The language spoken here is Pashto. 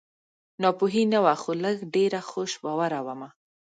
ناپوهي نه وه خو لږ ډېره خوش باوره ومه